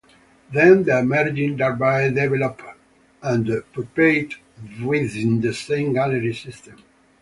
Then the emerging larvae develop and pupate within the same gallery system.